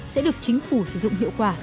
sẽ được chính phủ sử dụng hiệu quả